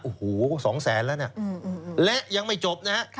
โอ้โหสองแสนแล้วเนี่ยและยังไม่จบนะ